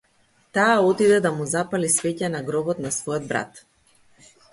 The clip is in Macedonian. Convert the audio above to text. Таа отиде да му запали свеќа на гробот на својот брат.